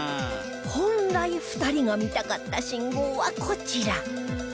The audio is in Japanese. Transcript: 本来２人が見たかった信号はこちら